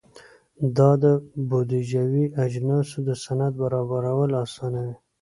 دا د بودیجوي اجناسو د سند برابرول اسانوي.